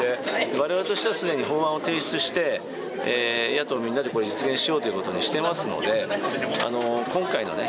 我々としてはすでに法案を提出して野党みんなで実現しようということにしてますので今回のね